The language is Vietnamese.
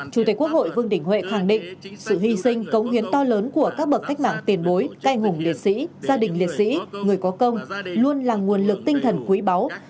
chủ tịch quốc hội vương đình huệ khẳng định sự hy sinh cống hiến to lớn của các bậc cách mạng tiền bối canh hùng liệt sĩ gia đình liệt sĩ người có công luôn là nguồn lực tinh thần quý báu